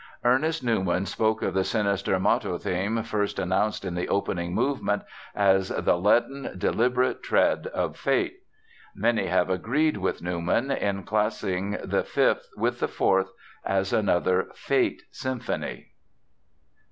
Ernest Newman spoke of the sinister motto theme first announced in the opening movement as "the leaden, deliberate tread of fate." Many have agreed with Newman in classing the Fifth with the Fourth as another "fate" symphony.